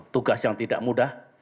tugas yang tidak mudah